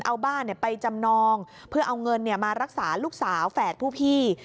เอาบ้านไปจำนองเพื่อเอาเงินมารักษาลูกสาวแฝดผู้พี่